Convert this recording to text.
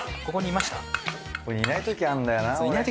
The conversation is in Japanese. ここにいないときあるんだよな俺。